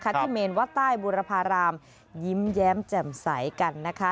ที่เมนวัดใต้บุรพารามยิ้มแย้มแจ่มใสกันนะคะ